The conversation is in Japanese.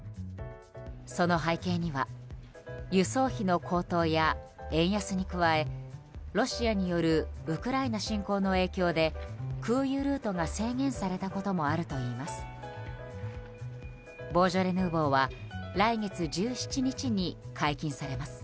その背景には輸送費の高騰や円安に加えロシアによるウクライナ侵攻の影響で空輸ルートが制限されたこともあるといいます。